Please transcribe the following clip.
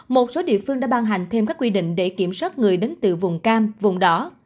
một số địa phương đã ban hành thêm các quy định để kiểm soát người đến từ vùng cam vùng đó